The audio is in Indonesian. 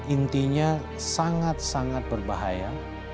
intinya sangat sangat berbahaya